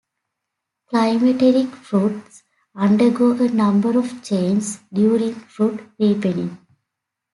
Climacteric fruits undergo a number of changes during fruit ripening.